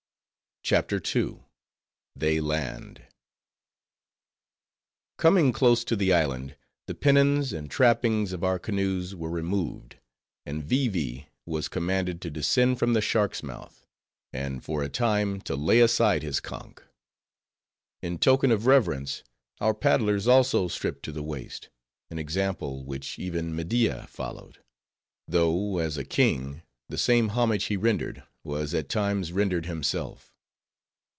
CHAPTER II. They Land Coming close to the island, the pennons and trappings of our canoes were removed; and Vee Vee was commanded to descend from the shark's mouth; and for a time to lay aside his conch. In token of reverence, our paddlers also stripped to the waist; an example which even Media followed; though, as a king, the same homage he rendered, was at times rendered himself.